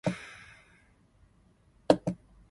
Home games are played at Harry Grove Stadium.